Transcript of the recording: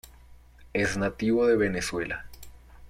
Es nativo de Venezuela.